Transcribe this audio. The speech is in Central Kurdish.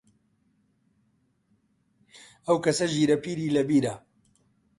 ئەو کەسە ژیرە، پیری لە بیرە